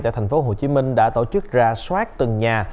tại tp hcm đã tổ chức ra soát từng nhà